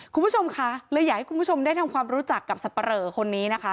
คุณผู้ชมค่ะเลยอยากให้คุณผู้ชมได้ทำความรู้จักกับสับปะเหลอคนนี้นะคะ